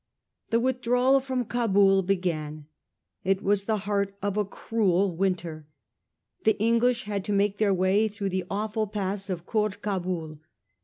The withdrawal from Cabul began. It was the heart of a cruel winter. The English had to make their way through the awful pass of Koord Cabul.